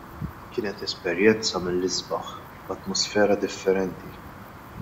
Kienet esperjenza mill-isbaħ, b'atmosfera differenti.